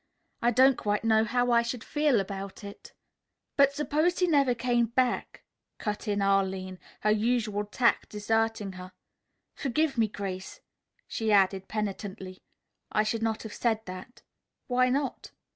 I don't quite know how I should feel about it." "But suppose he never came back," cut in Arline, her usual tact deserting her. "Forgive me, Grace," she added penitently. "I should not have said that." "Why not?"